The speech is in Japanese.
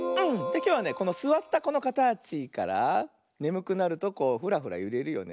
きょうはねこのすわったこのかたちからねむくなるとこうフラフラゆれるよね。